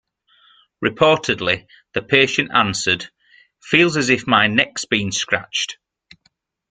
Reportedly, the patient answered: "Feels as if my neck's been scratched".